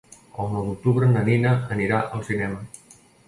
El nou d'octubre na Nina anirà al cinema.